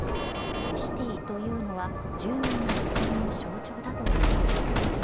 シティというのは住民の誇りの象徴だといいます。